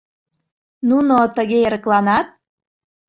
Нуно тыге эрыкланат?